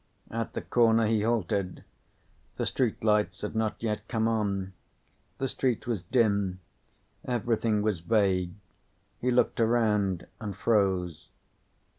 At the corner he halted. The street lights had not yet come on. The street was dim. Everything was vague. He looked around and froze.